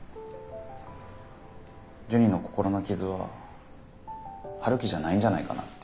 ジュニの心の傷は陽樹じゃないんじゃないかなって。